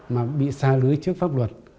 mà bị xa lưới trước pháp luật